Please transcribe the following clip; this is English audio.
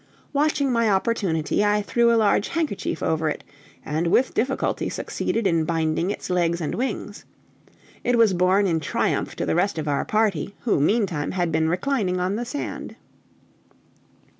Watching my opportunity, I threw a large handkerchief over it, and with difficulty succeeded in binding its legs and wings. It was borne in triumph to the rest of our party, who meantime had been reclining on the sand.